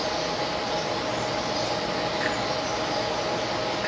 ต้องเติมเนี่ย